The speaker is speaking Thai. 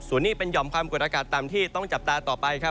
ส่วนนี้เป็นห่อมความกดอากาศต่ำที่ต้องจับตาต่อไปครับ